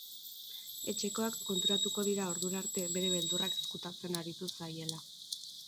Etxekoak konturako dira ordura arte bere beldurrak ezkutatzen aritu zaiela.